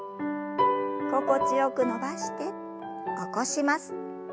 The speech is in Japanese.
心地よく伸ばして起こします。